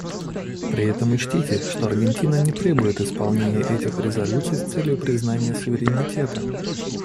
При этом учтите, что Аргентина не требует исполнения этих резолюций с целью признания суверенитета.